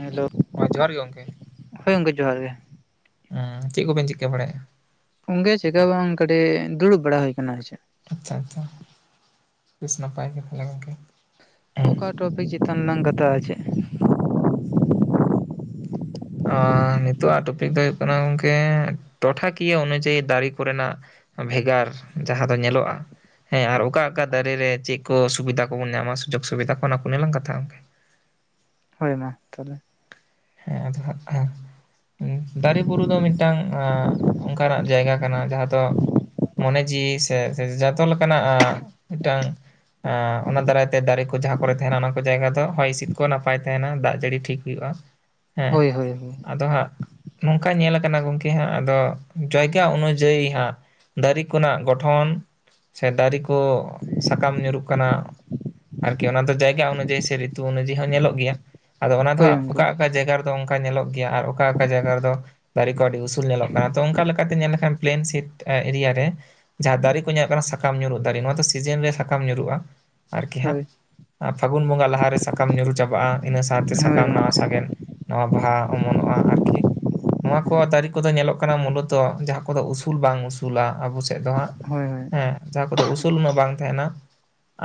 ᱦᱮᱸᱻᱞᱳ? ᱦᱚᱸ ᱡᱚᱦᱟᱨ ᱜᱮ ᱜᱚᱝᱠᱮ᱾ ᱦᱳᱭ ᱜᱚᱝᱠᱮ ᱡᱚᱦᱟᱨ ᱜᱮ᱾ ᱟᱸ ᱪᱮᱜ ᱠᱚᱵᱮᱱ ᱪᱤᱠᱟᱹ ᱵᱟᱲᱟᱭᱮᱜ-ᱟ? ᱜᱚᱝᱠᱮ ᱪᱮᱠᱟ ᱵᱟᱝ ᱠᱟᱹᱴᱤᱜ ᱫᱩᱲᱩᱵ ᱵᱟᱲᱟ ᱦᱩᱭ ᱟᱠᱟᱱᱟ ᱟᱨ ᱪᱮᱫ? ᱟᱪᱪᱷᱟ ᱟᱪᱪᱷᱟ ᱵᱮᱥ ᱱᱟᱯᱟᱭ ᱜᱮ ᱛᱟᱦᱮᱞᱮ ᱜᱚᱝᱠᱮ᱾ ᱚᱠᱟ ᱴᱚᱯᱤᱠ ᱪᱮᱛᱟᱱ ᱨᱮᱞᱟᱝ ᱠᱟᱛᱷᱟᱜᱼᱟ ᱪᱮᱫ? ᱟᱻ ᱱᱤᱛᱚᱜ-ᱟᱜ ᱴᱚᱯᱤᱠ ᱫᱚ ᱦᱩᱭᱩᱜ ᱠᱟᱱᱟ ᱜᱚᱝᱠᱮ ᱴᱚᱴᱷᱟ ᱠᱤᱭᱟᱹ ᱚᱱᱩᱡᱟᱹᱭᱤ ᱫᱟᱨᱤ ᱠᱚᱨᱮᱱᱟᱜ ᱵᱷᱮᱜᱟᱨ ᱡᱟᱦᱟᱸ ᱫᱚ ᱧᱮᱞᱚᱜᱼᱟ ᱦᱮᱸ ᱟᱨ ᱚᱠᱟ ᱚᱠᱟ ᱫᱟᱨᱮ ᱨᱮ ᱪᱮᱜ ᱠᱚ ᱥᱩᱵᱤᱫᱟ ᱠᱚᱵᱚᱱ ᱧᱟᱢᱼᱟ, ᱥᱩᱡᱳᱜᱽ ᱥᱩᱵᱤᱫᱷᱟ ᱠᱚ ᱚᱱᱟ ᱠᱚᱜᱮ ᱞᱟᱝ ᱠᱟᱛᱷᱟᱜᱼᱟ᱾ ᱦᱳᱭ ᱢᱟ ᱛᱟᱦᱮᱞᱮ᱾ ᱦᱮᱸ ᱟᱫᱚ ᱦᱟᱸᱜ [unintelligible] ᱫᱟᱨᱮ ᱵᱩᱨᱩ ᱫᱚ ᱢᱤᱫᱴᱟᱝ ᱟᱸ ᱚᱸᱠᱟᱱᱟᱜ ᱡᱟᱭᱜᱟ ᱠᱟᱱᱟ ᱡᱟᱦᱟᱸ ᱫᱚ ᱢᱚᱱᱮ ᱡᱤᱣᱤ ᱥᱮ ᱡᱟ-ᱡᱟ ᱡᱟᱛᱚ ᱞᱮᱠᱟᱱᱟᱜ ᱟᱸ ᱢᱤᱫᱴᱟᱝ ᱟᱸ ᱚᱱᱟ ᱫᱟᱨᱟᱭ ᱛᱮ ᱫᱟᱨᱮ ᱠᱚ ᱡᱟᱦᱟᱸ ᱠᱚᱨᱮ ᱛᱟᱦᱮᱸᱱᱟ ᱚᱱᱟ ᱠᱚ ᱡᱟᱭᱜᱟ ᱫᱚ ᱦᱚᱭ ᱦᱤᱸᱥᱤᱫ ᱠᱚ ᱱᱟᱯᱟᱭ ᱛᱟᱦᱮᱱᱟ ᱫᱟᱜ ᱡᱟᱹᱲᱤ ᱴᱷᱤᱠ ᱦᱩᱭᱩᱜᱼᱟ᱾ ᱦᱮᱸ ᱦᱳᱭ ᱦᱳᱭ ᱦᱳᱭ ᱟᱫᱚ ᱦᱟᱸᱜ ᱱᱚᱝᱠᱟ ᱧᱮᱞ ᱠᱟᱱᱟ ᱜᱚᱢᱠᱮ ᱦᱟᱸᱜ ᱟᱫᱚ ᱡᱟᱭᱜᱟ ᱚᱱᱩᱡᱟᱭᱤ ᱦᱟᱸᱜ ᱫᱟᱨᱮ ᱠᱚᱱᱟᱜ ᱜᱚᱴᱷᱚᱱ ᱥᱮ ᱫᱟᱨᱮ ᱠᱚ ᱥᱟᱠᱟᱢ ᱧᱩᱨᱩᱜ ᱠᱟᱱᱟ, ᱟᱨᱠᱤ ᱚᱱᱟ ᱫᱚ ᱡᱟᱭᱜᱟ ᱚᱱᱩᱡᱟᱭᱤ ᱥᱮ ᱨᱤᱛᱩ ᱚᱱᱩᱡᱟᱭᱤ ᱦᱟᱸᱜ ᱧᱮᱞᱚᱜ ᱜᱮᱭᱟ, ᱟᱫᱚ ᱚᱱᱟ ᱫᱚ ᱦᱳᱭ ᱦᱟᱸᱜ ᱜᱚᱝᱠᱮ ᱚᱠᱟ ᱚᱠᱟ ᱡᱟᱭᱜᱟ ᱨᱮ ᱚᱱᱠᱟ ᱧᱮᱞᱚᱜ ᱜᱮᱭᱟ ᱟᱨ ᱚᱠᱟ ᱚᱠᱟ ᱡᱟᱭᱜᱟ ᱨᱮᱫᱚ ᱫᱟᱨᱮ ᱠᱚ ᱟᱹᱰᱤ ᱩᱥᱩᱞ ᱧᱮᱞᱚᱜ ᱠᱟᱱᱟ ᱛᱚ ᱚᱱᱠᱟ ᱞᱮᱠᱟᱛᱮ ᱧᱮᱞ ᱞᱮᱠᱷᱟᱱ ᱯᱞᱮᱱ ᱥᱤᱴ ᱮᱨᱤᱭᱟ ᱨᱮ ᱡᱟᱦᱟᱸ ᱫᱟᱨᱮ ᱠᱚ ᱧᱮᱞᱚᱜ ᱠᱟᱱᱟ ᱥᱟᱠᱟᱢ ᱧᱩᱨᱩᱜ ᱫᱟᱨᱮ ᱱᱚᱣᱟ ᱫᱚ ᱥᱤᱡᱮᱱ ᱨᱮ ᱥᱟᱠᱟᱢ ᱧᱩᱨᱦᱩᱜ-ᱟ᱾ ᱟᱨᱠᱤ ᱦᱟᱸᱜ ᱦᱳᱭ ᱯᱷᱟᱹᱜᱩᱱ ᱵᱚᱸᱜᱟ ᱞᱟᱦᱟᱨᱮ ᱥᱟᱠᱟᱢ ᱧᱩᱨᱩ ᱪᱟᱵᱟᱜ-ᱟ, ᱤᱱᱟᱹ ᱥᱟᱶᱛᱮ ᱦᱳᱭ ᱥᱟᱠᱟᱢ ᱱᱟᱣᱟ ᱜᱚᱝᱠᱮ ᱥᱟᱜᱮᱱ ᱱᱟᱣᱟ ᱵᱟᱦᱟ ᱚᱢᱚᱱᱚᱜ-ᱟ ᱟᱨᱠᱤ᱾ ᱱᱚᱣᱟ ᱠᱚ ᱫᱟᱨᱮ ᱠᱚᱫᱚ ᱧᱮᱞᱚᱜ ᱠᱟᱱᱟ ᱢᱩᱞᱚ ᱛᱚ ᱡᱟᱦᱟᱸ ᱠᱚᱫᱚ ᱩᱥᱩᱞ ᱵᱟᱝ ᱩᱥᱩᱞᱟ ᱟᱵᱚ ᱥᱮᱫ ᱫᱚ ᱦᱟᱸᱜ ᱦᱳᱭ ᱦᱳᱭ ᱦᱮᱸ ᱡᱟᱦᱟᱸ ᱠᱚᱫᱚ ᱩᱥᱩᱞ ᱩᱱᱟᱹᱜ ᱵᱟᱝ ᱛᱟᱦᱮᱱᱟ,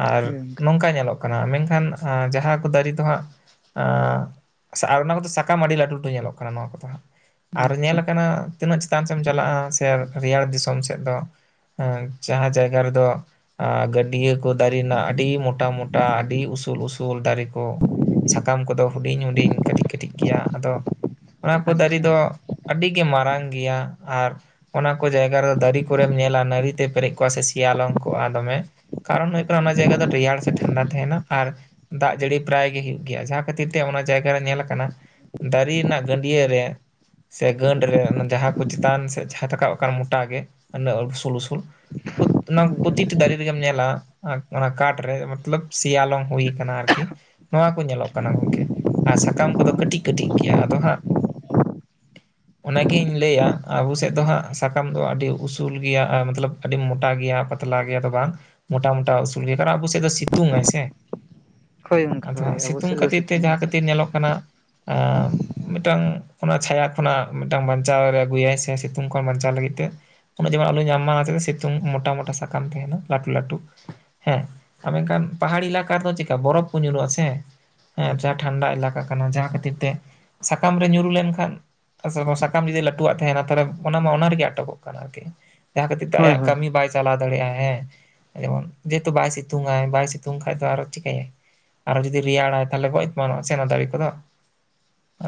ᱟᱨ ᱦᱳᱭ ᱜᱚᱝᱠᱮ ᱱᱚᱝᱠᱟ ᱧᱮᱞᱚᱜ ᱢᱮᱱᱠᱷᱟᱱ ᱡᱟᱦᱟᱸ ᱠᱚ ᱫᱟᱨᱮ ᱫᱚ ᱦᱟᱸᱜ ᱟᱨ ᱚᱱᱟ ᱠᱚᱫᱚ ᱥᱟᱠᱟᱢ ᱟᱹᱰᱤ ᱞᱟᱹᱴᱩ ᱞᱟᱹᱴᱩ ᱧᱮᱞᱚᱜ ᱠᱟᱱᱟ ᱱᱚᱣᱟ ᱠᱚᱫᱚ ᱦᱟᱸᱜ ᱟᱨ ᱧᱮᱞ ᱟᱪᱪᱷᱟ ᱟᱠᱟᱱᱟ᱾ ᱛᱤᱱᱟᱹᱜ ᱪᱮᱛᱟᱱ ᱥᱮᱢ ᱪᱟᱞᱟᱜ-ᱟ, ᱥᱮ ᱨᱮᱭᱟᱲ ᱫᱤᱥᱚᱢ ᱥᱮᱫ ᱫᱚ ᱡᱟᱦᱟᱸ ᱡᱟᱭᱜᱟ ᱨᱮᱫᱚ ᱟᱨ ᱜᱟᱹᱰᱭᱟᱹ ᱠᱚ ᱫᱟᱨᱮ ᱨᱮᱱᱟᱜ ᱟᱹᱰᱤ ᱢᱚᱴᱟ ᱢᱚᱴᱟ ᱟᱹᱰᱤ ᱩᱥᱩᱞ ᱩᱥᱩᱞ ᱫᱟᱨᱮ ᱠᱚ, ᱥᱟᱠᱟᱢ ᱠᱚᱫᱚ ᱦᱩᱰᱤᱧ ᱦᱩᱰᱤᱧ ᱠᱟᱹᱴᱤᱡ ᱠᱟᱹᱴᱤᱡ ᱜᱮᱭᱟ ᱟᱫᱚ ᱚᱱᱟ ᱠᱚ ᱫᱟᱨᱮ ᱟᱪᱪᱷᱟ ᱫᱚ, ᱟᱹᱰᱤ ᱜᱮ ᱢᱟᱨᱟᱝ ᱜᱮᱭᱟ, ᱟᱨ ᱚᱱᱟ ᱠᱚ ᱡᱟᱭᱜᱟ ᱨᱮᱫᱚ ᱫᱟᱨᱮ ᱠᱚᱨᱮᱢ ᱧᱮᱞᱟ ᱱᱟᱹᱲᱤᱛᱮ ᱯᱮᱨᱮᱡ ᱠᱚᱜ-ᱟ ᱥᱮ ᱥᱮᱭᱟᱞᱚᱢ ᱠᱚᱜ-ᱟ ᱫᱚᱢᱮ, ᱠᱟᱨᱚᱱ ᱦᱩᱭᱩᱜ ᱠᱟᱱᱟ ᱚᱱᱟ ᱡᱟᱭᱜᱟ ᱫᱚ ᱨᱮᱭᱟᱲᱟ ᱥᱮ ᱴᱷᱟᱱᱰᱟ ᱛᱟᱦᱮᱱᱟ, ᱟᱨ ᱫᱟᱜ ᱡᱟᱹᱲᱤ ᱯᱨᱟᱭ ᱜᱮ ᱦᱩᱭᱩᱜ ᱜᱮᱭᱟ ᱡᱟᱦᱟᱸ ᱠᱷᱟᱹᱛᱤᱨ ᱛᱮ ᱚᱱᱟ ᱡᱟᱭᱜᱟ ᱨᱮ ᱧᱮᱞ ᱠᱟᱱᱟ ᱫᱟᱨᱮ ᱨᱮᱱᱟᱜ ᱜᱟᱹᱰᱭᱟᱹ ᱨᱮ ᱥᱮ ᱜᱟᱹᱰ ᱨᱮ ᱚᱱᱟ ᱡᱟᱦᱟᱸ ᱠᱚ ᱪᱮᱛᱟᱱ ᱥᱮ ᱡᱟᱦᱟᱸ ᱨᱟᱠᱟᱵ ᱟᱠᱟᱱ ᱢᱚᱴᱟ ᱜᱮ ᱩᱱᱟᱹᱜ ᱩᱥᱩᱞ ᱩᱥᱩᱞ [inaudible] ᱚᱱᱟ ᱯᱨᱚᱛᱤᱴᱤ ᱫᱟᱨᱮ ᱨᱮᱜᱮᱢ ᱧᱮᱞᱟ ᱚᱱᱟ ᱠᱟᱴ ᱨᱮ ᱢᱚᱛᱞᱚᱵ ᱥᱮᱭᱟᱞᱚᱢ ᱦᱩᱭ ᱟᱠᱟᱱᱟ ᱟᱨᱠᱤ᱾ ᱱᱚᱣᱟ ᱠᱚ ᱧᱮᱞᱚᱜ ᱠᱟᱱᱟ ᱜᱚᱢᱠᱮ ᱟᱨ ᱥᱟᱠᱟᱢ ᱠᱚᱫᱚ ᱠᱟᱹᱴᱤᱡ ᱠᱟᱹᱴᱤᱡ ᱜᱮᱭᱟ, ᱟᱫᱚ ᱦᱟᱸᱜ [unintelligible] ᱚᱱᱟᱜᱤᱧ ᱞᱟᱹᱭᱟᱜ-ᱟ ᱟᱵᱚ ᱥᱮᱫ ᱫᱚ ᱦᱟᱸᱜ ᱥᱟᱠᱟᱢ ᱫᱚ ᱟᱹᱰᱤ ᱩᱥᱩᱞ ᱜᱮᱭᱟ, ᱟᱨ ᱢᱚᱛᱞᱚᱵ ᱟᱹᱰᱤ ᱢᱚᱴᱟ ᱜᱮᱭᱟ ᱯᱟᱛᱞᱟ ᱜᱮᱭᱟ ᱛᱚ ᱵᱟᱝ ᱢᱚᱴᱟ ᱢᱚᱴᱟ ᱩᱥᱩᱞ ᱜᱮᱭᱟ ᱠᱟᱨᱚᱱ ᱟᱵᱚ ᱥᱮᱫ ᱫᱚ ᱥᱤᱛᱩᱝᱟᱭ ᱥᱮ, ᱦᱳᱭ ᱜᱚᱝᱠᱮ ᱟᱫᱚ ᱦᱳᱭ ᱦᱟᱸᱜ ᱟᱵᱚ ᱥᱤᱛᱩᱝ ᱥᱮᱫ ᱫᱚ ᱠᱷᱟᱹᱛᱤᱨ ᱛᱮ ᱥᱤᱛᱩᱝ ᱟᱭ ᱡᱟᱦᱟᱸ ᱥᱮ ᱠᱷᱟᱹᱛᱤᱨ ᱧᱮᱞᱚᱜ ᱠᱟᱱᱟ [inaudible] ᱢᱤᱫᱴᱟᱝ ᱚᱱᱟ ᱪᱷᱟᱭᱟ ᱠᱷᱚᱱᱟᱜ ᱢᱤᱫᱴᱟᱝ ᱵᱟᱧᱪᱟᱣ ᱨᱮ ᱟᱹᱜᱩᱭᱟᱭ ᱥᱮ ᱥᱤᱛᱩᱝ ᱠᱷᱚᱱ ᱵᱟᱧᱪᱟᱣ ᱞᱟᱹᱜᱤᱫ ᱛᱮ᱾ ᱚᱱᱟ ᱡᱮᱢᱚᱱ ᱟᱞᱚᱭ ᱧᱟᱢ ᱢᱟ ᱪᱮ ᱥᱤᱛᱩᱝ ᱢᱚᱴᱟ ᱢᱚᱴᱟ ᱥᱟᱠᱟᱢ ᱛᱟᱦᱮᱱᱟ ᱞᱟᱹᱴᱩ ᱞᱟᱹᱴᱩ ᱦᱮᱸ, ᱟᱨ ᱢᱮᱱᱠᱷᱟᱱ ᱯᱟᱦᱟᱲᱤ ᱮᱞᱟᱠᱟ ᱨᱮᱫᱚ ᱪᱮᱠᱟ ᱵᱚᱨᱚᱯᱷ ᱠᱚ ᱧᱩᱨᱩᱜ-ᱟ, ᱥᱮ ᱦᱮᱸ ᱡᱟᱦᱟᱸ ᱴᱷᱟᱱᱰᱟ ᱮᱞᱟᱠᱟ ᱠᱟᱱᱟ ᱡᱟᱦᱟᱸ ᱠᱷᱟᱹᱛᱤᱨ ᱛᱮ ᱥᱟᱠᱟᱢ ᱨᱮ ᱧᱩᱨᱩ ᱞᱮᱱᱠᱷᱟᱱ ᱥᱟᱠᱟᱢ ᱡᱩᱫᱤ ᱞᱟᱹᱴᱩᱣᱟᱜ ᱛᱟᱦᱮᱱᱟ ᱛᱟᱦᱚᱞᱮ ᱚᱱᱟ ᱢᱟ ᱚᱱᱟ ᱨᱮᱜᱮ ᱟᱴᱚᱠᱚᱜ ᱠᱟᱱᱟ, ᱟᱨᱠᱤ ᱡᱟᱦᱟᱸ ᱠᱷᱟᱹᱛᱤᱨ ᱛᱮ ᱦᱳᱭ ᱟᱭᱟᱜ ᱦᱳᱭ ᱠᱟᱹᱢᱤ ᱵᱟᱭ ᱪᱟᱞᱟᱣ ᱫᱟᱲᱮᱭᱟᱜ ᱟᱭ ᱦᱮᱸ ᱡᱮᱢᱚᱱ ᱡᱮᱦᱮᱛᱩ ᱵᱟᱭ ᱥᱤᱛᱩᱝ ᱟᱭ ᱵᱟᱭ ᱥᱤᱛᱩᱝ ᱠᱷᱟᱡ ᱫᱚ ᱟᱨᱚ ᱪᱤᱠᱟᱹᱭᱟᱭ, ᱟᱨᱚ ᱡᱩᱫᱤ ᱨᱮᱭᱟᱲᱟᱭ ᱛᱟᱦᱚᱞᱮ ᱜᱚᱡ ᱮᱢᱟᱱᱚᱜ-ᱟ ᱥᱮ ᱚᱱᱟ ᱫᱟᱨᱮ ᱠᱚᱫᱚ,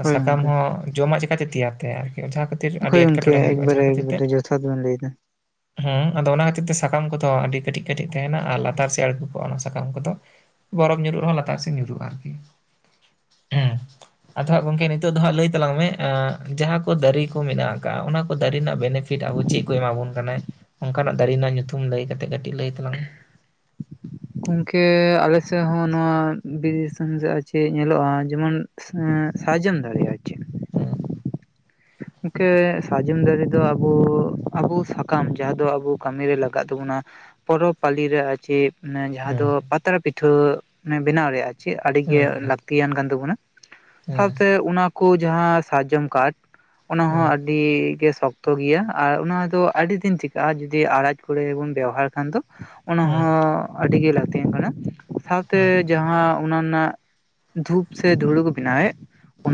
ᱦᱳᱭ ᱥᱟᱠᱟᱢ ᱜᱚᱝᱠᱮ ᱦᱚᱸ ᱡᱚᱢᱟᱜ ᱪᱤᱠᱟᱹ ᱛᱮ ᱛᱮᱭᱟᱨ ᱛᱟᱭᱟ ᱟᱨᱠᱤ ᱡᱟᱦᱟᱸ ᱠᱷᱟᱹᱛᱤᱨ ᱟᱹᱰᱤ ᱮᱴᱠᱮᱴᱚᱬᱮ ᱦᱩᱭᱩᱜ-ᱟ, ᱡᱟᱦᱟᱸ ᱠᱷᱟᱹᱛᱤᱨ ᱛᱮ ᱟᱰᱤ ᱡᱚᱛᱷᱟᱛ ᱵᱤᱱ ᱞᱟᱹᱭᱫᱟ, ᱦᱮᱸ ᱟᱫᱚ ᱚᱱᱟ ᱠᱷᱟᱹᱛᱤᱨ ᱛᱮ ᱥᱟᱠᱟᱢ ᱠᱚᱫᱚ ᱟᱹᱰᱤ ᱠᱟᱹᱴᱤᱡ ᱠᱟᱹᱴᱤᱡ ᱛᱟᱦᱮᱱᱟ ᱟᱨ ᱞᱟᱛᱟᱨ ᱥᱮᱫ ᱟᱬᱜᱩ ᱠᱚᱜ-ᱟ ᱚᱱᱟ ᱥᱟᱠᱟᱢ ᱠᱚᱫᱚ᱾ ᱵᱚᱨᱚᱯᱷ ᱧᱩᱨᱩᱜ ᱨᱮᱦᱚᱸ ᱞᱟᱛᱟᱨ ᱥᱮᱫ ᱧᱩᱨᱩᱜ-ᱟ ᱟᱨᱠᱤ, ᱦᱮᱸ [unintelligible] ᱟᱫᱚ ᱦᱟᱸᱜ ᱜᱚᱢᱠᱮ ᱱᱤᱛᱚᱜ ᱫᱚ ᱦᱟᱸᱜ ᱞᱟᱹᱭ ᱛᱟᱞᱟᱝ ᱢᱮ ᱡᱟᱦᱟᱸ ᱠᱚ ᱫᱟᱨᱮ ᱠᱚ ᱢᱮᱱᱟᱜ ᱟᱠᱟᱜ-ᱟ, ᱚᱱᱟ ᱠᱚ ᱫᱟᱨᱮ ᱨᱮᱱᱟᱜ ᱵᱮᱱᱤᱯᱷᱤᱴ ᱯᱷᱤᱴ ᱟᱵᱚ ᱪᱮᱫ ᱠᱚ ᱮᱢᱟ ᱵᱚᱱ ᱠᱟᱱᱟᱭ ᱚᱱᱠᱟᱱᱟᱜ ᱫᱟᱨᱮ ᱨᱮᱱᱟᱜ ᱧᱩᱛᱩᱢ ᱞᱟᱹᱭ ᱠᱟᱛᱮᱫ ᱠᱟᱹᱴᱤᱡ ᱞᱟᱹᱭ ᱛᱟᱞᱟᱝ ᱢᱮ᱾ ᱜᱚᱝᱠᱮ ᱟᱞᱮ ᱥᱮᱫ ᱦᱚᱸ ᱱᱚᱣᱟ ᱵᱤᱨ ᱫᱤᱥᱚᱢ ᱥᱮᱫ ᱟᱨ ᱪᱮᱫ ᱧᱮᱞᱚᱜ-ᱟ, ᱡᱮᱢᱚᱱ ᱮᱸᱻ ᱥᱟᱨᱡᱚᱢ ᱫᱟᱲᱮ ᱟᱨ ᱪᱮᱫ [unintelligible] ᱤᱝᱠᱟᱹ ᱥᱟᱨᱡᱚᱢ ᱫᱟᱨᱮ ᱫᱚ ᱟᱵᱚ ᱟᱵᱚ ᱥᱟᱠᱟᱢ ᱡᱟᱦᱟᱸ ᱫᱚ ᱟᱵᱚ ᱠᱟᱹᱢᱤ ᱨᱮ ᱞᱟᱜᱟᱜ ᱛᱟᱵᱚᱱᱟ, ᱯᱚᱨᱚᱵᱽ ᱯᱟᱞᱤ ᱨᱮ ᱟᱨ [unintelligible] ᱚᱱᱟ ᱡᱟᱦᱟᱸ ᱫᱚ ᱦᱮᱸ ᱯᱟᱛᱲᱟ ᱯᱤᱴᱷᱟᱹ ᱢᱟᱱᱮ ᱵᱮᱱᱟᱣ ᱨᱮ ᱟᱨ ᱪᱮᱫ ᱟᱹᱰᱤᱜᱮ ᱦᱮᱸ ᱞᱟᱹᱠᱛᱤᱭᱟᱱ ᱠᱟᱱ ᱛᱟᱵᱚᱱᱟ᱾ ᱦᱮᱸ ᱥᱟᱶᱛᱮ ᱚᱱᱟ ᱠᱚ ᱡᱟᱦᱟᱸ ᱥᱟᱨᱡᱚᱢ ᱠᱟᱴ ᱚᱱᱟ ᱦᱚᱸ ᱦᱮᱸ ᱦᱮᱸ ᱟ ᱰᱤ ᱜᱮ ᱥᱚᱠᱛᱚ ᱜᱮᱭᱟ ᱟᱨ ᱚᱱᱟ ᱫᱚ ᱟᱰᱤ ᱫᱤᱱ ᱴᱤᱠᱟᱜᱼᱟ ᱡᱚᱫᱤ ᱟᱲᱟᱡ ᱠᱚᱨᱮ ᱵᱚᱱ ᱵᱮᱵᱚᱦᱟᱨ ᱠᱷᱟᱱ ᱫᱚ, ᱚᱱᱟ ᱦᱮᱸ ᱦᱚᱸ ᱟᱹᱰᱤ ᱜᱮ ᱞᱟᱹᱠᱛᱤᱭᱟᱱ ᱠᱟᱱᱟ ᱥᱟᱶᱛᱮ ᱡᱟᱦᱟᱸ ᱚᱱᱟ ᱨᱮᱱᱟᱜ ᱫᱷᱩᱯ ᱥᱮ ᱫᱷᱩᱲᱩ ᱠᱚ ᱵᱮᱱᱟᱣᱮᱫ,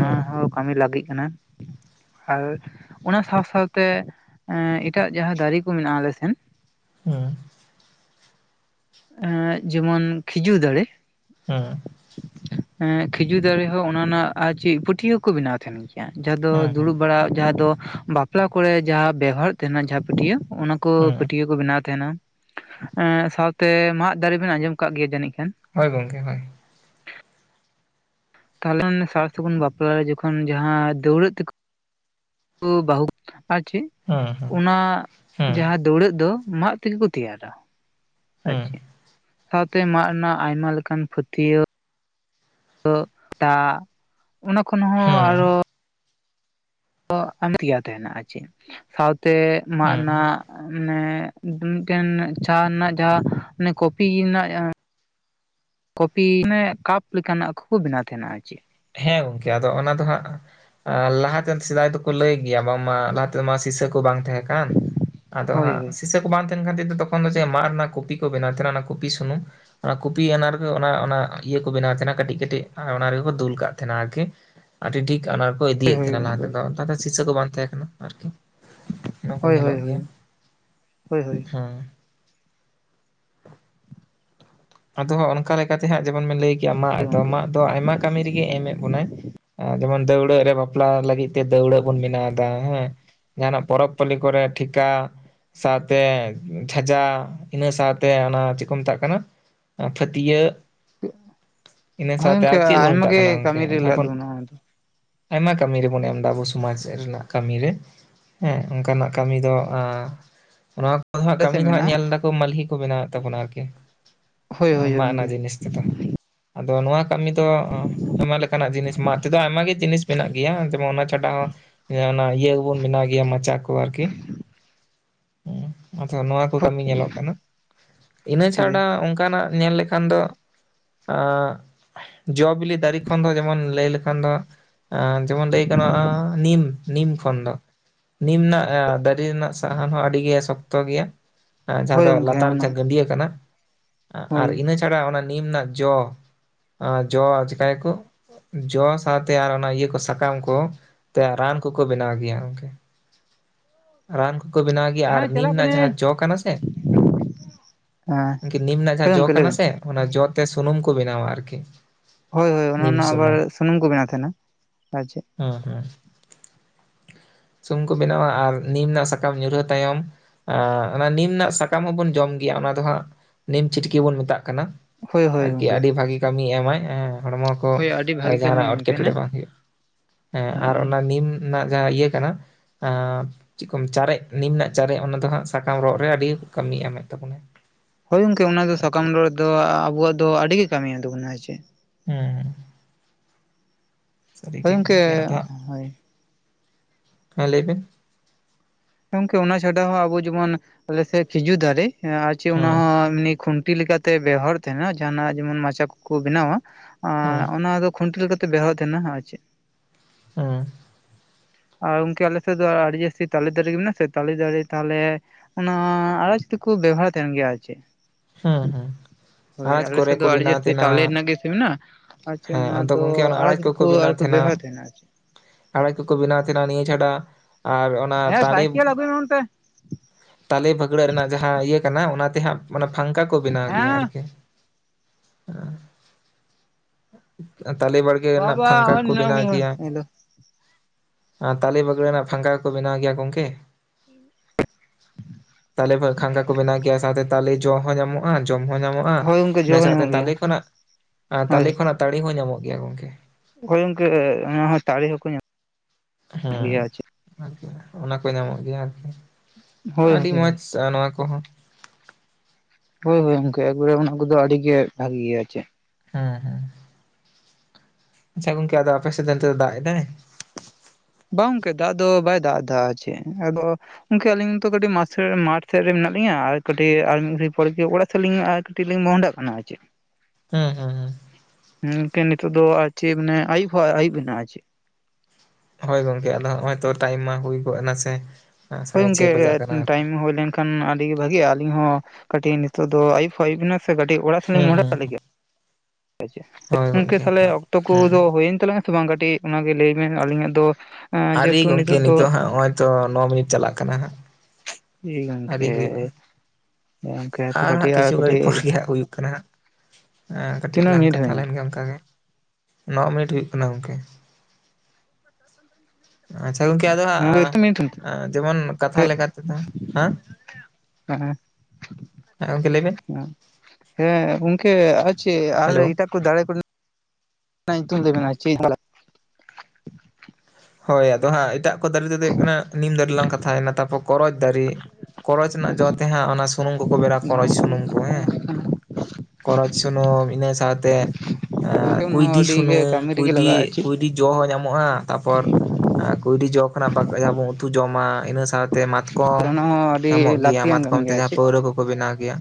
ᱦᱮᱸ ᱦᱚᱸ ᱠᱟᱢᱤ ᱞᱟᱜᱤᱜ ᱠᱟᱱᱟ᱾ ᱟᱨ ᱚᱱᱟ ᱥᱟᱶ ᱥᱟᱶᱛᱮ ᱮᱸ ᱮᱴᱟᱜ ᱡᱟᱦᱟᱸ ᱫᱟᱨᱤ ᱠᱚ ᱢᱮᱱᱟᱜᱼᱟ ᱟᱞᱮ ᱥᱮᱱ, ᱦᱩᱸ᱾ ᱮᱸᱻ ᱡᱮᱢᱚᱱ ᱠᱷᱤᱡᱩᱨ ᱫᱟᱨᱮ, ᱦᱩᱸ᱾ ᱮᱸ ᱠᱷᱤᱡᱩᱨ ᱫᱟᱨᱮ ᱦᱚᱸ ᱚᱱᱟ ᱨᱮᱱᱟᱜ ᱟᱨ ᱪᱮᱫ ᱯᱩᱴᱷᱤᱭᱟᱹ ᱠᱚ ᱵᱮᱱᱟᱣ ᱛᱟᱦᱮᱸᱱ᱾ ᱡᱟᱦᱟᱸ ᱫᱚ ᱦᱮᱸ ᱦᱮᱸ ᱫᱩᱲᱩᱵ ᱵᱟᱲᱟ, ᱡᱟᱦᱟᱸ ᱫᱚ ᱵᱟᱯᱞᱟ ᱠᱚᱨᱮ ᱡᱟᱦᱟᱸ ᱵᱮᱵᱚᱦᱟᱨ ᱛᱟᱦᱮᱸᱱᱟ ᱡᱟᱦᱟᱸ ᱯᱟᱹᱴᱤᱭᱟᱹ, ᱚᱱᱟ ᱠᱚ ᱦᱮᱸ ᱯᱟᱹᱴᱤᱭᱟᱹ ᱠᱚ ᱵᱮᱱᱟᱣ ᱛᱟᱦᱮᱱᱸᱟ, ᱮᱸᱻ ᱥᱟᱶᱛᱮ ᱢᱟᱫ ᱫᱟᱨᱮ ᱵᱤᱱ ᱟᱸᱡᱚᱢ ᱠᱟᱜ ᱜᱮᱭᱟ ᱡᱟᱹᱱᱤᱡ ᱠᱷᱟᱱ, ᱦᱳᱭ ᱜᱚᱝᱠᱮ ᱦᱳᱭ᱾ ᱛᱟᱦᱚᱞᱮ ᱚᱱᱟ ᱥᱟᱨ ᱥᱟᱹᱜᱩᱱ ᱵᱟᱯᱞᱟ ᱨᱮ ᱡᱚᱠᱷᱚᱱ ᱡᱟᱦᱟᱸ ᱫᱟᱹᱣᱲᱟᱹᱜ ᱛᱮ ᱠᱚ ᱵᱟᱹᱦᱩ [inaudible] ᱟᱨ ᱪᱮᱫ, ᱦᱮᱸ ᱦᱮᱸ ᱚᱱᱟ ᱦᱮᱸ ᱡᱟᱦᱟᱸ ᱫᱟᱹᱣᱲᱟᱹᱜ ᱫᱚ ᱢᱟᱫ ᱛᱮᱜᱮ ᱠᱚ ᱛᱮᱭᱟᱨᱟ ᱟᱨ ᱦᱮᱸ ᱪᱮᱫ, ᱥᱟᱶᱛᱮ ᱢᱟᱫ ᱨᱮᱱᱟᱜ ᱟᱭᱢᱟ ᱞᱮᱠᱟᱱ ᱯᱷᱟᱹᱛᱤᱭᱟᱹᱜ [inaudible] ᱴᱟᱜ, ᱚᱱᱟ ᱠᱷᱚᱱ ᱦᱚᱸ ᱦᱮᱸ ᱟᱨᱚ [inaudible] ᱛᱮᱭᱟᱜ ᱛᱟᱦᱮᱸᱱᱟ ᱟᱨ ᱪᱮᱫ, ᱥᱟᱶᱛᱮ ᱢᱟᱫ ᱦᱮᱸ ᱨᱮᱱᱟᱜ ᱢᱟᱱᱮ ᱢᱤᱫᱴᱮᱱ ᱪᱟ ᱨᱮᱱᱟᱜ ᱡᱟᱦᱟᱸ ᱢᱟᱱᱮ ᱠᱚᱯᱤ ᱨᱮᱱᱟᱜ ᱠᱚᱯᱤ ᱢᱟᱱᱮ ᱠᱟᱯ ᱞᱮᱠᱟᱱᱟᱜ ᱠᱚᱠᱚ ᱵᱮᱱᱟᱣ ᱛᱟᱦᱮᱸᱱᱟ ᱟᱨ ᱪᱮᱫ᱾ ᱦᱮᱸ ᱜᱚᱝᱠᱮ ᱟᱫᱚ ᱚᱱᱟ ᱫᱚ ᱦᱟᱸᱜ ᱟᱸ ᱞᱟᱦᱟᱛᱮᱱ ᱥᱮᱫᱟᱭ ᱫᱚᱠᱚ ᱞᱟᱹᱭ ᱜᱮᱭᱟ ᱵᱟᱝᱢᱟ ᱞᱟᱦᱟ ᱛᱮᱢᱟ ᱥᱤᱥᱟᱹ ᱠᱚ ᱵᱟᱝ ᱛᱟᱦᱮᱸ ᱠᱟᱱ, ᱟᱫᱚ ᱦᱳᱭ ᱦᱟᱸᱜ ᱦᱳᱭ ᱥᱤᱥᱟᱹ ᱠᱚ ᱵᱟᱝ ᱛᱟᱦᱮᱸᱱ ᱠᱷᱟᱱ [inaudible] ᱛᱚᱠᱷᱚᱱ ᱫᱚ ᱪᱮᱫ ᱢᱟᱫ ᱨᱮᱱᱟᱜ ᱠᱚᱯᱤ ᱠᱚ ᱵᱮᱱᱟᱣ ᱛᱟᱦᱮᱸᱱᱟ ᱚᱱᱟ ᱠᱚᱯᱤ ᱥᱩᱱᱩᱢ, ᱚᱱᱟ ᱠᱩᱯᱤ ᱚᱱᱟ ᱨᱮᱜᱮ ᱚᱱᱟ ᱚᱱᱟ ᱤᱭᱟᱹ ᱠᱚ ᱵᱮᱱᱟᱣ ᱛᱟᱦᱮᱸᱱᱟ ᱠᱟᱹᱴᱤᱡ ᱠᱟᱹᱴᱤᱡ ᱟᱨ ᱚᱱᱟ ᱨᱮᱜᱮ ᱠᱚ ᱫᱩᱞ ᱠᱟ ᱛᱟᱦᱮᱸᱱᱟ ᱟᱨᱠᱤ, ᱟᱹᱰᱤ ᱴᱷᱤᱠ ᱚᱱᱟ ᱨᱮ ᱠᱚ ᱤᱫᱤᱭᱮᱫ ᱦᱳᱭ ᱛᱟᱦᱮᱸᱱᱟ ᱞᱟᱦᱟ ᱜᱚᱝᱠᱮ ᱛᱮᱫᱚ [inaudible] ᱥᱤᱥᱟᱹ ᱠᱚ ᱵᱟᱝ ᱛᱟᱦᱮᱸ ᱠᱟᱱᱟ ᱟᱨᱠᱤ᱾ ᱚᱱᱟ ᱠᱚ ᱦᱳᱭ ᱦᱳᱭ ᱧᱮᱞᱚᱜ ᱦᱳᱭ ᱜᱮᱭᱟ, ᱦᱳᱭ ᱦᱳᱭ ᱦᱳᱭ ᱦᱩᱸ᱾ ᱟᱫᱚ ᱦᱚᱸᱜ ᱚᱱᱠᱟ ᱞᱮᱠᱟᱛᱮ ᱦᱟᱸᱜ ᱡᱮᱢᱚᱱ ᱵᱤᱱ ᱞᱟᱹᱭ ᱠᱮᱭᱟ ᱢᱟᱫ ᱫᱚ ᱜᱚᱝᱠᱮ ᱢᱟᱫ ᱫᱚ ᱟᱭᱢᱟ ᱠᱟᱢᱤ ᱨᱮᱜᱮ ᱮᱢᱮᱫ ᱵᱚᱱᱟᱭ, ᱮᱸ ᱡᱮᱢᱚᱱ ᱫᱟᱹᱣᱲᱟᱹᱜ ᱨᱮ ᱵᱟᱯᱞᱟ ᱞᱟᱜᱤᱫ ᱛᱮ ᱫᱟᱹᱣᱲᱟᱹ ᱵᱚᱱ ᱵᱮᱱᱟᱣ ᱮᱫᱟ ᱦᱮᱸ, ᱡᱟᱦᱟᱸᱱᱟᱜ ᱯᱚᱨᱚᱵᱽ ᱯᱟᱞᱤ ᱠᱚᱨᱮ ᱴᱷᱮᱠᱟ ᱥᱟᱶᱛᱮ ᱡᱷᱟᱡᱟ ᱤᱱᱟᱹ ᱥᱟᱶᱛᱮ ᱚᱱᱟ ᱪᱮᱫ ᱠᱚ ᱢᱮᱛᱟᱜ ᱠᱟᱱᱟ, ᱟᱺ ᱯᱷᱟᱹᱛᱤᱭᱟᱹᱜ, ᱤᱱᱟᱹ ᱦᱳᱭ ᱥᱟᱶᱛᱮ ᱜᱚᱝᱠᱮ ᱟᱨ ᱪᱮᱫ ᱵᱚᱱ ᱟᱭᱢᱟ ᱢᱮᱛᱟᱜ ᱜᱮ ᱠᱟᱱᱟ ᱜᱚᱝᱠᱮ ᱠᱟᱹᱢᱤ ᱨᱮ ᱡᱟᱦᱟᱸ ᱞᱟᱜᱟᱜ ᱵᱚᱱ ᱛᱟᱵᱚᱱᱟ ᱚᱱᱟ ᱫᱚ ᱟᱭᱢᱟ ᱠᱟᱢᱤ ᱨᱮᱵᱚᱱ ᱮᱢ ᱫᱟ ᱟᱵᱚ ᱥᱚᱢᱟᱡᱽ ᱨᱮᱱᱟᱜ ᱠᱟᱢᱤ ᱨᱮ, ᱦᱮᱸ ᱚᱱᱠᱟᱱᱟᱜ ᱠᱟᱢᱤ ᱫᱚ ᱟᱸ ᱚᱱᱟᱼᱼ ᱟᱵᱚ ᱫᱚ ᱦᱟᱸᱜ ᱟᱞᱮ ᱠᱟᱢᱤ ᱥᱮᱫ ᱫᱚ ᱦᱟᱸᱜ ᱢᱮᱱᱟᱜᱼᱟ ᱧᱮᱞ ᱮᱫᱟᱠᱚ ᱢᱟᱹᱞᱦᱤ ᱠᱚ ᱵᱮᱱᱟᱣᱮᱫ ᱛᱟᱵᱚᱱᱟ ᱟᱨᱠᱤ᱾ ᱦᱳᱭ ᱦᱳᱭ ᱢᱟᱜ ᱜᱚᱝᱠᱮ ᱨᱮᱱᱟᱜ ᱡᱤᱱᱤᱥ ᱛᱮᱫᱚ, ᱟᱫᱚ ᱱᱚᱣᱟ ᱠᱟᱢᱤ ᱫᱚ ᱟᱭᱢᱟ ᱞᱮᱠᱟᱱᱟᱜ ᱡᱤᱱᱤᱥ ᱢᱟᱫ ᱛᱮᱫᱚ ᱟᱭᱢᱟ ᱜᱮ ᱡᱤᱱᱤᱥ ᱵᱮᱱᱟᱜ ᱜᱮᱭᱟ ᱡᱮᱢᱚᱱ ᱚᱱᱟ ᱪᱷᱟᱰᱟ ᱦᱚᱸᱼᱼ ᱚᱱᱟ ᱤᱭᱟᱹ ᱠᱚᱵᱚᱱ ᱵᱮᱱᱟᱣ ᱜᱮᱭᱟ ᱢᱟᱪᱟ ᱠᱚ ᱟᱨᱠᱤ, [inaudible] ᱦᱩᱸ ᱟᱫᱚ ᱱᱚᱣᱟ ᱠᱚ ᱠᱟᱢᱤ ᱧᱮᱞᱚᱜ ᱠᱟᱱᱟ, ᱤᱱᱟᱹ ᱦᱳᱭ ᱪᱷᱟᱰᱟ ᱚᱝᱼᱼ ᱠᱟᱱᱟᱜ ᱧᱮᱞ ᱞᱮᱠᱷᱟᱱ ᱫᱚ ᱟᱸᱻᱼᱼ ᱡᱚ ᱵᱤᱞᱤ ᱫᱟᱨᱮ ᱠᱷᱚᱱ ᱫᱚ ᱡᱮᱢᱚᱱ ᱞᱟᱹᱭ ᱞᱮᱠᱷᱟᱱ ᱫᱚ ᱟᱸ ᱡᱮᱢᱚᱱ ᱞᱟᱹᱭ ᱜᱟᱱᱚᱜᱼᱟ ᱱᱤᱢ ᱱᱤᱢ ᱠᱷᱚᱱ ᱫᱚ, ᱱᱤᱢ ᱨᱮᱱᱟᱜ ᱫᱟᱨᱮ ᱨᱮᱱᱟᱜ ᱥᱟᱦᱟᱱ ᱦᱚᱸ ᱟᱹᱰᱤ ᱜᱮ ᱥᱚᱠᱛᱚ ᱜᱮᱭᱟ᱾ ᱦᱮᱸ ᱡᱟᱦᱟᱸ ᱦᱳᱭ ᱫᱚ ᱜᱚᱝᱠᱮ ᱞᱟᱛᱟᱨ ᱚᱱᱟ ᱡᱟᱦᱟᱸ ᱜᱟᱹᱰᱭᱟᱹ ᱠᱟᱱᱟ, ᱦᱳᱭ ᱟᱨ ᱤᱱᱟᱹ ᱪᱷᱟᱲᱟ ᱚᱱᱟ ᱱᱤᱢ ᱱᱟᱜ ᱡᱚ ᱡᱚ ᱪᱤᱠᱟᱹᱭᱟ ᱠᱚ? ᱡᱚ ᱥᱟᱶᱛᱮ ᱟᱨ ᱚᱱᱟ ᱤᱭᱟᱹ ᱠᱚ ᱥᱟᱠᱟᱢ ᱠᱚ ᱛᱮ ᱨᱟᱱ ᱠᱚᱠᱚ ᱵᱮᱱᱟᱣ ᱜᱮᱭᱟ ᱜᱚᱝᱠᱮ᱾ [inaudible] ᱨᱟᱱ ᱠᱚᱠᱚ ᱵᱮᱱᱟᱣ ᱜᱮᱭᱟ ᱟᱨ ᱦᱮᱸ ᱱᱤᱢ ᱪᱟᱞᱟᱜ ᱱᱟᱜ ᱠᱟᱹᱱᱟᱹᱧ ᱡᱟᱦᱟᱸ ᱡᱚ ᱠᱟᱱᱟ ᱥᱮ ᱦᱮᱸ ᱤᱱᱠᱤ ᱱᱤᱢ ᱱᱟᱜ ᱦᱳᱭ ᱡᱟᱦᱟᱸ ᱡᱚ ᱜᱚᱝᱠᱮ ᱞᱟᱹᱭ ᱠᱟᱱᱟ ᱵᱮᱱ ᱥᱮ ᱚᱱᱟ ᱡᱚ ᱛᱮ ᱥᱩᱱᱩᱢ ᱠᱚ ᱵᱮᱱᱟᱣᱟ ᱟᱨᱠᱤ᱾ ᱦᱳᱭ ᱦᱳᱭ ᱚᱱᱟ ᱱᱟᱜ ᱟᱵᱟᱨ ᱥᱩᱱᱩᱢ ᱠᱚ ᱵᱮᱱᱟᱣ ᱛᱟᱦᱮᱸᱱᱟ ᱟᱨ ᱪᱮᱜ ᱦᱮᱸ ᱦᱮᱸ ᱥᱩᱱᱩᱢ ᱠᱚ ᱵᱮᱱᱟᱣᱟ ᱟᱨ ᱱᱤᱢ ᱱᱟᱜ ᱥᱟᱠᱟᱢ ᱧᱩᱨᱦᱟᱹ ᱛᱟᱭᱚᱢ, ᱟᱸ ᱚᱱᱟ ᱱᱤᱢ ᱱᱟᱜ ᱥᱟᱠᱟᱢ ᱦᱚᱸᱵᱚᱱ ᱡᱚᱢ ᱜᱮᱭᱟ ᱚᱱᱟ ᱫᱚ ᱦᱟᱸᱜ ᱱᱤᱢ ᱪᱤᱴᱠᱤ ᱵᱚᱱ ᱢᱮᱛᱟᱜ ᱠᱟᱱᱟ ᱦᱳᱭ ᱦᱳᱭ ᱟᱨᱠᱤ ᱜᱚᱝᱠᱮ ᱟᱹᱰᱤ ᱵᱷᱟᱜᱤ ᱠᱟᱹᱢᱤᱭ ᱮᱢᱟᱭ ᱮᱸ ᱦᱚᱲᱢᱚ ᱠᱚ ᱦᱳᱭ ᱟᱹᱰᱤ ᱵᱷᱟᱹᱜᱤ ᱠᱟᱹᱢᱤ ᱡᱟᱦᱟᱸᱱᱟᱜ ᱮᱢ ᱛᱟᱦᱮᱱᱟ ᱮᱸᱴᱠᱮᱴᱚᱬᱮ ᱵᱟᱝ ᱦᱩᱭᱩᱜ, ᱦᱮᱸ ᱟᱨ ᱚᱱᱟ ᱱᱤᱢ ᱱᱟᱜ ᱡᱟᱦᱟᱸ ᱤᱭᱟᱹ ᱠᱟᱱᱟ ᱮᱸ ᱪᱮᱫ ᱠᱚᱢ ᱪᱟᱨᱮᱡ ᱱᱤᱢ ᱨᱮᱱᱟᱜ ᱪᱟᱨᱮᱡ ᱚᱱᱟ ᱫᱚ ᱦᱟᱸᱜ ᱥᱟᱠᱟᱢ ᱨᱚᱜ ᱨᱮ ᱟᱹᱰᱤ ᱠᱟᱹᱢᱤᱭ ᱮᱢᱮᱜ ᱛᱟᱵᱚᱱᱟ᱾ ᱦᱳᱭ ᱜᱚᱝᱠᱮ ᱚᱱᱟ ᱫᱚ ᱥᱟᱠᱟᱢ ᱨᱮᱫᱚ ᱟᱵᱚᱣᱟᱜ ᱫᱚ ᱟᱹᱰᱤ ᱜᱮ ᱠᱟᱹᱢᱤ ᱟᱨ ᱪᱮᱜ ᱦᱩᱸ, ᱦᱳᱭ ᱜᱚᱝᱠᱮ ᱟᱫᱚ ᱦᱟᱸᱜ ᱦᱳᱭ ᱦᱮᱸ ᱞᱟᱹᱭ ᱵᱮᱱ? ᱜᱚᱝᱠᱮ ᱚᱱᱟ ᱪᱷᱟᱰᱟ ᱦᱚᱸ ᱟᱵᱚ ᱡᱮᱢᱚᱱ ᱟᱞᱮᱥᱮᱜ ᱠᱷᱤᱡᱩᱨ ᱫᱟᱨᱮ ᱦᱮᱸ ᱟᱨ ᱪᱮᱜ ᱚᱱᱟ ᱦᱮᱸ ᱦᱚᱸ ᱮᱢᱱᱤ ᱠᱷᱩᱱᱴᱤ ᱞᱮᱠᱟᱛᱮ ᱵᱮᱣᱦᱟᱨ ᱛᱟᱦᱮᱱᱟ ᱡᱟᱦᱟᱸᱱᱟᱜ ᱡᱮᱢᱚᱱ ᱢᱟᱪᱟ ᱠᱚᱠᱚ ᱵᱮᱱᱟᱣᱟ᱾ ᱟᱸ ᱦᱮᱸ ᱚᱱᱟ ᱫᱚ ᱠᱷᱩᱱᱴᱤ ᱞᱮᱠᱟᱛᱮ ᱵᱮᱣᱦᱟᱨ ᱛᱟᱦᱮᱸᱱᱟ ᱟᱨ ᱪᱮᱜ, ᱦᱩᱸ ᱟᱨ ᱜᱚᱝᱠᱮ ᱟᱞᱮᱥᱮᱜ ᱫᱚ ᱟᱹᱰᱤ ᱡᱟᱹᱥᱛᱤ ᱛᱟᱞᱮ ᱫᱟᱨᱮ ᱢᱮᱱᱟᱜᱼᱟ ᱥᱮ ᱛᱟᱞᱮ ᱫᱟᱨᱮ ᱛᱟᱦᱚᱞᱮ ᱚᱱᱟ ᱟᱞᱮᱥᱮ ᱫᱚᱠᱩ ᱵᱮᱵᱦᱟᱨ ᱛᱟᱦᱮᱸᱱ ᱜᱮᱭᱟ ᱟᱨ ᱪᱮᱜ ᱦᱮᱸ ᱦᱮᱸ ᱦᱳᱭ ᱟᱲᱟᱡ ᱠᱚᱨᱮ ᱟᱞᱮᱥᱮᱜ ᱫᱚ ᱠᱚ ᱟᱹᱰᱤ ᱵᱮᱱᱟᱣ ᱡᱟᱹᱥᱛᱤ ᱛᱟᱦᱮᱱᱟ ᱛᱟᱞᱮ ᱱᱟᱜ ᱜᱮ [unintelligible] ᱟᱨ ᱪᱮᱜ ᱦᱮᱸ ᱚᱱᱟ ᱟᱫᱚ ᱫᱚ ᱜᱚᱝᱠᱮ [unintelligible] ᱟᱨᱠᱚ ᱵᱮᱵᱚᱦᱟᱨ ᱛᱟᱦᱮᱸᱱᱟ ᱟᱨ ᱪᱮᱜ ᱟᱲᱮ ᱠᱚᱠᱚ ᱵᱮᱱᱟᱣ ᱛᱟᱦᱮᱸᱱᱟ ᱱᱤᱭᱟᱹ ᱪᱷᱟᱰᱟ ᱟᱨ ᱚᱱᱟ ᱦᱮᱸ ᱛᱟᱲᱮ ᱥᱟᱭᱠᱮᱞ ᱟᱹᱜᱩᱭ ᱢᱮ ᱚᱱᱛᱮ ᱛᱟᱞᱮ ᱯᱷᱟᱹᱜᱲᱟᱹᱜ ᱨᱮᱱᱟᱜ ᱡᱟᱦᱟᱸ ᱤᱭᱟᱹ ᱠᱟᱱᱟ ᱚᱱᱟᱛᱮ ᱦᱟᱸᱜ ᱯᱷᱟᱝᱠᱟ ᱠᱚ ᱵᱮᱱᱟᱣ ᱜᱮᱭᱟ ᱦᱮᱸ ᱟᱨᱠᱤ᱾ ᱚᱸ ᱛᱟᱞᱮ ᱵᱟᱲᱜᱮ ᱨᱮᱱᱟᱜ ᱵᱟᱵᱟ ᱯᱷᱟᱝᱠᱟ ᱦᱚᱸᱜᱼᱚᱭ ᱠᱚ ᱢᱮᱱᱟᱜᱼᱟ ᱵᱮᱱᱟᱣ ᱢᱤᱫ ᱦᱚᱲ ᱜᱮᱭᱟ, ᱦᱮᱞᱳ ᱟᱨ ᱛᱟᱞᱮ ᱯᱷᱟᱜᱽᱲᱟᱹ ᱨᱮᱱᱟᱜ ᱯᱷᱟᱝᱠᱟ ᱠᱚ ᱵᱮᱱᱟᱣ ᱜᱮᱭᱟ ᱜᱚᱝᱠᱮ? [inaudible] ᱛᱟᱞᱮ ᱠᱷᱚᱱ ᱠᱷᱟᱸᱝᱠᱟ ᱠᱚ ᱵᱮᱱᱟᱣ ᱜᱮᱭᱟ ᱥᱟᱶᱛᱮ ᱛᱟᱞᱮ ᱡᱚ ᱦᱚᱸ ᱧᱟᱢᱚᱜᱼᱟ ᱡᱚᱢ ᱦᱚᱸ ᱧᱟᱢᱚᱜ ᱼᱟ ᱦᱳᱭ ᱜᱚᱝᱠᱮ ᱤᱱᱟᱹ ᱡᱚ ᱦᱚᱸ ᱥᱟᱶᱛᱮ ᱧᱟᱢᱚᱜ ᱛᱟᱞᱮ ᱜᱮᱭᱟ ᱠᱷᱚᱱᱟᱜ ᱦᱳᱭ ᱛᱟᱞᱮ ᱠᱷᱚᱱᱟᱜ ᱛᱟᱹᱲᱤ ᱦᱚᱸ ᱧᱟᱢᱚᱜ ᱜᱮᱭᱟ ᱜᱚᱝᱠᱮ᱾ ᱦᱳᱭ ᱜᱚᱝᱠᱮ ᱚᱱᱟ ᱦᱚᱸ ᱛᱟᱲᱮ ᱦᱚᱸᱠᱚ ᱧᱟᱢᱚᱜ ᱦᱮᱸ ᱜᱮᱭᱟ ᱟᱨ ᱪᱮᱫ ᱚᱱᱟ ᱠᱚ ᱧᱟᱢᱚᱜ ᱜᱮᱭᱟ ᱟᱨᱠᱤ ᱦᱳᱭ ᱟᱹᱰᱤ ᱦᱳᱭ ᱢᱚᱸᱡᱽ ᱦᱳᱭ ᱥᱮ ᱱᱚᱭᱟ ᱠᱚᱦᱚᱸ᱾ ᱦᱳᱭ ᱦᱳᱭ ᱜᱚᱝᱠᱮ [unintelligible] ᱱᱚᱭᱟ ᱠᱚᱫᱚ ᱟᱹᱰᱤᱜᱮ ᱵᱷᱟᱜᱮ ᱜᱮᱭᱟ ᱟᱨ ᱪᱮᱜ, ᱦᱮᱸ ᱦᱮᱸ, ᱟᱪᱪᱷᱟ ᱜᱚᱝᱠᱮ ᱟᱫᱚ ᱟᱯᱮ ᱥᱮᱜ ᱫᱚ ᱚᱱᱛᱮ ᱫᱚ ᱫᱟᱜᱽ ᱮᱫᱟᱭ? ᱵᱟᱝ ᱜᱚᱝᱠᱮ ᱫᱟᱜᱽ ᱫᱚ ᱵᱟᱭ ᱫᱟᱜᱽ ᱫᱟ ᱟᱨ ᱪᱮᱜ ᱟᱫᱚ, ᱜᱚᱝᱠᱮ ᱟᱞᱤᱧ ᱫᱚ ᱠᱟᱹᱴᱤᱜ ᱢᱟᱥ ᱢᱟᱴ ᱥᱮᱜ ᱨᱮ ᱢᱮᱱᱟᱜ ᱞᱤᱧᱟ ᱟᱨ ᱠᱟᱹᱴᱤᱜ ᱟᱨ ᱢᱤᱫ ᱜᱷᱟᱹᱲᱤᱜ ᱯᱚᱨᱮ ᱜᱮ ᱚᱲᱟᱜ ᱟᱹᱞᱤᱧ ᱟᱨ ᱠᱟᱹᱴᱤᱜ ᱞᱤᱧ ᱢᱚᱦᱚᱸᱰᱟᱜ ᱠᱟᱱᱟ ᱟᱨ ᱪᱮᱜ᱾ ᱦᱮᱸ ᱦᱮᱸ ᱦᱮᱸ᱾ ᱦᱮᱸ ᱜᱚᱝᱠᱮ ᱱᱤᱛᱚᱜ ᱫᱚ ᱟᱨ ᱪᱮᱫ ᱢᱟᱱᱮ ᱟᱭᱩᱵ ᱦᱚᱸ ᱟᱭᱩᱵ ᱮᱱᱟ ᱟᱨ ᱪᱮᱫ। ᱦᱳᱭ ᱜᱚᱝᱠᱮ ᱟᱫᱚ ᱦᱚᱸᱜ-ᱚᱭ ᱛᱚ ᱴᱟᱭᱤᱢ ᱢᱟ ᱦᱩᱭ ᱜᱚᱫ ᱱᱟ ᱥᱮ। ᱟᱸ ᱦᱳᱭ ᱥᱟᱲᱮ ᱜᱚᱝᱠᱮ ᱪᱷᱚᱭ ᱵᱟᱡᱟᱜ ᱠᱟᱱᱟ ᱴᱟᱭᱤᱢ ᱦᱳᱭ ᱞᱮᱱᱠᱷᱟᱱ ᱠᱷᱟᱱ ᱟᱹᱰᱤ ᱜᱮ ᱵᱷᱟᱜᱤᱼᱟ ᱟᱹᱞᱤᱧ ᱦᱚᱸ ᱠᱟᱹᱴᱤᱡ ᱱᱤᱛᱚᱜ ᱫᱚ ᱟᱭᱩᱵ ᱦᱚᱸ ᱟᱭᱩᱵ ᱮᱱᱟ ᱥᱮ ᱠᱟᱹᱴᱤᱡ ᱚᱲᱟᱜ ᱥᱤᱧ ᱦᱩᱸ ᱦᱩᱸ ᱢᱚᱦᱚᱰᱟᱼᱼ ᱟᱪᱪᱷᱟ ᱜᱚᱝᱠᱮ ᱛᱟᱦᱚᱞᱮ ᱚᱠᱛᱚ ᱦᱩᱸ ᱠᱚᱫᱚ ᱦᱩᱭᱮᱱ ᱛᱟᱞᱟᱝᱼᱟ। ᱵᱟᱝ ᱠᱟᱹᱴᱤᱡ ᱚᱱᱟᱜᱮ ᱞᱟᱹᱭ ᱢᱮ ᱟᱹᱞᱤᱧᱟᱜ ᱫᱚᱼᱼ ᱟᱹᱨᱤ ᱜᱚᱝᱠᱮ ᱱᱤᱛᱚᱜ ᱦᱟᱸᱜ ᱱᱚᱜᱼᱚᱭ ᱛᱚ ᱱᱚ ᱢᱤᱱᱤᱴ ᱪᱟᱞᱟᱜ ᱠᱟᱱᱟ ᱦᱟᱸᱜ। ᱮᱭ ᱟᱹᱨᱤ ᱜᱚᱝᱠᱮ ᱦᱩᱭᱩᱜᱼᱟ ᱜᱚᱝᱠᱮ ᱛᱚ ᱟᱨ ᱠᱟᱹᱴᱤᱡ ᱦᱟᱸᱜ ᱠᱤᱪᱷᱩ ᱜᱷᱟᱹᱲᱤᱡ ᱠᱟᱹᱴᱤᱡ ᱯᱚᱨ ᱜᱮ ᱦᱟᱸᱜ ᱦᱩᱭᱩᱜ ᱠᱟᱱᱟ ᱦᱟᱸᱜ। ᱦᱮᱸ ᱠᱟᱹᱴᱤᱡ ᱛᱤᱱᱟᱹᱜ ᱞᱟᱝ ᱢᱤᱱᱤᱴ ᱠᱟᱛᱷᱟ ᱦᱩᱭᱱᱟ ᱞᱮᱱ ᱜᱮ ᱚᱱᱠᱟ ᱜᱮ ᱱᱚ ᱢᱤᱱᱤᱴ ᱦᱩᱭᱩᱜ ᱠᱟᱱᱟ ᱜᱚᱝᱠᱮ। ᱟᱪᱪᱷᱟ ᱜᱚᱝᱠᱮ ᱟᱫᱚ ᱦᱟᱸᱜ ᱡᱮᱢᱚᱱ ᱠᱟᱛᱷᱟ ᱞᱮᱠᱟ ᱛᱮᱫᱚ ᱦᱮᱸ ᱦᱮᱸ ᱦᱮᱸ ᱟᱢ ᱜᱚᱝᱠᱮ ᱞᱟᱹᱭ ᱢᱮ? ᱦᱮᱸ ᱜᱚᱝᱠᱮ ᱟᱪᱪᱮ ᱟᱨ ᱦᱮᱞᱳ ᱮᱴᱟᱜ ᱫᱟᱲᱮ ᱠᱚᱫᱚ ᱧᱩᱛᱩᱢ [inaudible] ᱢᱮᱱᱟᱜᱼᱟ ᱪᱮᱫ ᱦᱳᱭ ᱟᱫᱚ ᱦᱟᱸᱜ ᱮᱴᱟᱜ ᱠᱚ ᱫᱟᱨᱮ ᱛᱮᱫᱚ ᱦᱩᱭᱩᱜ ᱠᱟᱱᱟ ᱱᱤᱢ ᱫᱟᱨᱮ, ᱞᱟᱝ ᱠᱟᱛᱷᱟ ᱭᱮᱱᱟ ᱛᱟᱨᱯᱚᱨ ᱠᱚᱨᱚᱪ ᱫᱟᱨᱮ, ᱠᱚᱨᱚᱪ ᱨᱮᱱᱟᱜ ᱡᱚ ᱛᱮ ᱦᱟᱸᱜ ᱚᱱᱟ ᱥᱩᱱᱩᱢ ᱠᱚᱠᱚ ᱵᱮᱱᱟᱣ ᱟ ᱠᱚᱨᱚᱪ ᱥᱩᱱᱩᱢ ᱠᱚ ᱦᱮᱸ ᱠᱚᱨᱚᱪ ᱥᱩᱱᱩᱢ, ᱤᱱᱟᱹ ᱥᱟᱶᱛᱮ ᱜᱚᱝᱠᱮ ᱚᱱᱟ ᱦᱚᱸ ᱠᱩᱭᱰᱤ ᱟᱹᱰᱤ ᱜᱮ ᱥᱩᱱᱩᱢ, ᱠᱟᱹᱢᱤ ᱨᱮᱜᱮ ᱠᱩᱭᱰᱤ ᱞᱟᱜᱟᱜᱼᱟ ᱠᱩᱭᱰᱤᱼᱼ ᱪᱮᱫ ᱠᱩᱭᱰᱤ ᱡᱚ ᱦᱚᱸ ᱧᱟᱢᱚᱜᱼᱟ ᱛᱟᱨᱯᱚᱨ ᱟ ᱠᱩᱭᱰᱤ ᱡᱚ ᱠᱷᱚᱱᱟᱜ ᱵᱟᱠ ᱢᱟᱦᱟᱸ ᱵᱚ ᱩᱛᱩ ᱡᱚᱢᱟ ᱤᱱᱟᱹ ᱥᱟᱶ ᱛᱮ ᱢᱟᱛᱚᱠᱚᱢ ᱚᱱᱟ ᱦᱚᱸ ᱟᱹᱰᱤ ᱧᱟᱢᱚᱜ ᱜᱮᱭᱟ, ᱞᱟᱹᱠᱛᱤᱭᱟᱱ ᱠᱟᱱ ᱢᱟᱛᱚᱠᱚᱢ ᱛᱮ ᱜᱮᱭᱟ ᱡᱟᱦᱟᱸ ᱪᱮᱫ ᱯᱟᱹᱣᱨᱟᱹ ᱠᱚᱠᱚ ᱵᱮᱱᱟᱣ ᱜᱮᱭᱟ।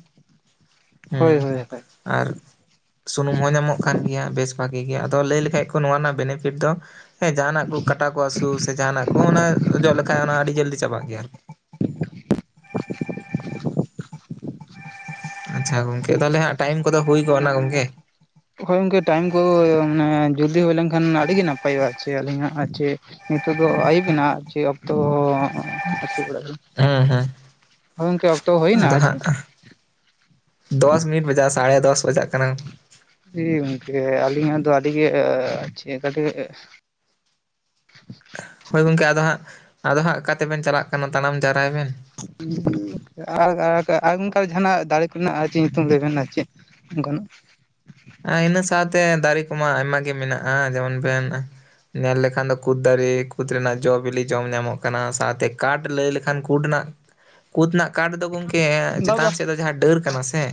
ᱦᱮᱸ ᱦᱳᱭ ᱦᱳᱭ ᱦᱳᱭ ᱟᱨ ᱥᱩᱱᱩᱢ ᱦᱚᱸ ᱧᱟᱢᱚᱜ ᱠᱟᱱ ᱜᱮᱭᱟ ᱵᱮᱥ ᱵᱷᱟᱜᱤ ᱜᱮᱭᱟ, ᱟᱫᱚ ᱞᱟᱹᱭ ᱞᱮᱠᱷᱟᱡ ᱠᱚ ᱱᱚᱣᱟ ᱨᱮᱱᱟᱜ ᱵᱮᱱᱤᱯᱷᱤᱴ ᱫᱚ ᱦᱮᱸ ᱡᱟᱦᱟ ᱱᱟᱜ ᱠᱚ ᱠᱟᱴᱟ ᱠᱚ ᱦᱟᱹᱥᱩ ᱥᱮ ᱡᱟᱦᱟᱸᱱᱟᱜ ᱠᱚ ᱚᱱᱟ ᱚᱡᱚᱜ ᱞᱮᱠᱷᱟᱡ ᱚᱱᱟ ᱟᱹᱰᱤ ᱡᱚᱞᱫᱤ ᱪᱟᱵᱟᱜ ᱜᱮᱭᱟ। ᱟᱪᱪᱷᱟ ᱜᱚᱝᱠᱮ ᱛᱟᱦᱚᱞᱮ ᱦᱟᱸᱜ ᱴᱟᱭᱤᱢ ᱠᱚᱫᱚ ᱦᱩᱭ ᱜᱚᱜ ᱱᱟ ᱜᱚᱝᱠᱮ। ᱦᱳᱭ ᱜᱚᱝᱠᱮ ᱴᱟᱭᱤᱢ ᱠᱚ ᱢᱟᱱᱮ ᱡᱚᱞᱫᱤ ᱦᱩᱭ ᱞᱮᱱᱠᱷᱟᱱ ᱟᱹᱰᱤ ᱜᱮ ᱱᱟᱯᱟᱭᱚᱜᱼᱟ ᱟᱨᱼᱼ ᱪᱮ ᱟᱹᱞᱤᱧᱟᱜ ᱟᱨ ᱪᱮ ᱱᱤᱛᱚᱜ ᱫᱚ ᱟᱹᱭᱩᱵ ᱮᱱᱟ ᱟᱨ ᱪᱮ ᱚᱠᱛᱚ ᱟᱪᱩᱨ ᱵᱟᱲᱟ ᱟᱞᱤᱧ। ᱦᱮᱸ ᱦᱮᱸ ᱦᱩᱭᱱᱟ ᱟᱫᱚ ᱟᱨ ᱪᱮ ᱦᱟᱜ ᱫᱚᱥ ᱢᱤᱱᱤᱴ ᱵᱟᱡᱟᱥ ᱥᱟᱲᱮ ᱫᱚᱥ ᱵᱟᱡᱟᱜ ᱠᱟᱱᱟ। ᱦᱮᱸ ᱜᱚᱝᱠᱮ ᱟᱹᱞᱤᱧᱟᱜ ᱫᱚ ᱟᱹᱰᱤ ᱜᱮ ᱠᱟᱹᱴᱤᱡ ᱦᱳᱭ ᱜᱚᱝᱠᱮ ᱟᱫᱚ ᱦᱟᱸᱜ ᱟᱫᱚ ᱦᱟᱸᱜ ᱚᱠᱟᱛᱮᱵᱮᱱ ᱪᱟᱞᱟᱜ ᱠᱟᱱᱟ ᱛᱟᱲᱟᱢ ᱡᱟᱣᱨᱟᱭ ᱵᱮᱱ। ᱟᱨ ᱟᱨ ᱚᱱᱠᱟ ᱡᱟᱦᱟᱸᱱᱟᱜ ᱫᱟᱨᱮ ᱠᱚᱨᱮᱱᱟᱜ ᱟᱨ ᱪᱮᱛ ᱧᱩᱛᱩᱢ ᱞᱟᱹᱭ ᱵᱮᱱ ᱟᱨ ᱪᱮᱫ? ᱜᱚᱱᱚᱜᱼᱼ ᱤᱱᱟᱹ ᱥᱟᱶᱛᱮ ᱫᱟᱨᱮ ᱠᱚᱢᱟ ᱟᱭᱢᱟ ᱜᱮ ᱢᱮᱱᱟᱜᱼᱟ ᱡᱮᱢᱚᱱ ᱵᱮᱱ ᱧᱮᱞ ᱞᱮᱠᱷᱟᱱ ᱫᱚ ᱠᱩᱫᱽ ᱫᱟᱨᱮ, ᱠᱩᱫᱽ ᱨᱮᱱᱟᱜ ᱡᱚᱼ ᱵᱤᱞᱤ ᱡᱚᱢ ᱧᱟᱢᱚᱜ ᱠᱟᱱᱟ, ᱥᱟᱶᱛᱮ ᱠᱟᱴ ᱞᱟᱹᱭ ᱞᱮᱠᱷᱟᱱ ᱠᱩᱫ ᱨᱮᱱᱟᱜ ᱠᱩᱫ ᱨᱮᱱᱟᱜ ᱠᱟᱴ ᱫᱚ ᱜᱚᱝᱠᱮ ᱵᱟ ᱵᱟ ᱪᱮᱛᱟᱱ ᱥᱮᱫ ᱫᱚ ᱡᱟᱦᱟᱸ ᱰᱟᱹᱨ ᱵᱟ ᱠᱟᱱᱟ ᱥᱮ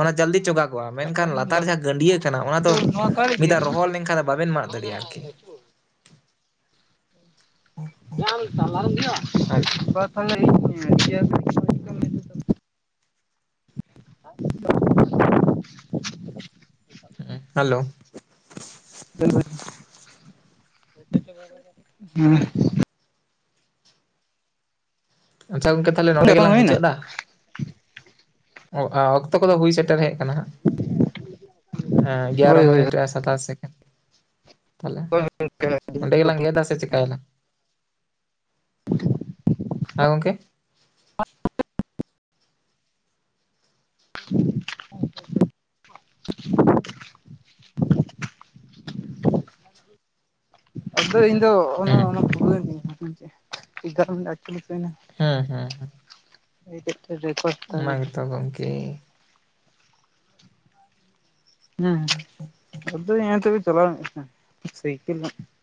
ᱚᱱᱟ ᱡᱚᱞᱫᱤ ᱪᱚᱜᱟᱜᱚᱜᱼᱟ ᱢᱮᱱᱠᱷᱟᱱ ᱞᱟᱛᱟᱨ ᱵᱟ ᱡᱟᱦᱟᱸᱼᱼ [unintelligible] ᱠᱟᱱᱟ ᱚᱱᱟ ᱫᱚ ᱟᱫᱚ ᱱᱚᱣᱟ ᱠᱟᱨ ᱢᱤᱫ ᱫᱷᱟᱣ ᱤᱫᱤᱭᱟᱢ ᱨᱚᱦᱚᱲ ᱞᱮᱱᱠᱷᱟᱱ ᱵᱟ ᱵᱮᱱ ᱢᱟᱜ ᱫᱟᱲᱮᱭᱟᱜᱼᱟ ᱟᱨᱠᱤ। [inaudible] ᱡᱟᱞ ᱛᱟᱞᱟᱨᱮ ᱦᱩᱭᱩᱜᱼᱟ। ᱟᱭ [unintelligible] ᱦᱮᱸ ᱦᱮᱞᱳ? ᱦᱮᱞᱳ, ᱦᱮᱸ ᱟᱪᱪᱷᱟ ᱜᱚᱝᱠᱮ ᱛᱟᱦᱚᱞᱮ ᱱᱚᱰᱮ ᱵᱟᱝ ᱜᱮᱞᱟᱝ ᱦᱩᱭᱱᱟ ᱢᱩᱪᱟᱹᱫ ᱫᱟ? ᱚ ᱟᱚᱠ ᱛᱚ ᱠᱚᱫᱚ ᱦᱩᱭ ᱥᱮᱴᱮᱨ ᱦᱮᱡ ᱟᱠᱟᱱᱟ ᱦᱟᱸᱜ᱾ ᱟᱸ ᱮᱜᱟᱨᱚ ᱦᱳᱭ ᱦᱳᱭ ᱢᱤᱱᱤᱴ ᱟᱨ ᱥᱟᱛᱟᱥ ᱥᱮᱠᱮᱱᱰ᱾ ᱛᱟᱞᱦᱮ ᱱᱚᱰᱮ ᱜᱮᱞᱟᱝ ᱜᱮᱫᱟ ᱥᱮ ᱪᱮᱠᱥᱭᱟ ᱞᱞᱟᱝ ᱦᱟᱸ ᱜᱚᱝᱠᱮ? [inaudible] [inaudible] ᱟᱫᱚ ᱤᱧᱫᱚ ᱚᱱᱟ ᱦᱮᱸ ᱚᱱᱟ [unintelligible] ᱦᱮᱸ ᱦᱮᱸ ᱦᱮᱸ᱾ [unintelligible] ᱚᱱᱟ ᱜᱮᱛᱚ ᱜᱚᱢᱠᱮ᱾ [unintelligible]